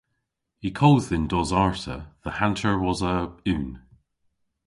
Y kodh dhyn dos arta dhe hanter wosa unn.